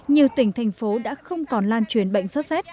nhiều tỉnh thành phố đã không còn lan truyền bệnh sot z